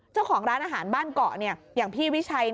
เจ้าของร้านอาหารบ้านเกาะอย่างพี่วิชัย